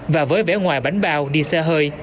và với vẻ ngoài bánh bao đi xa hơi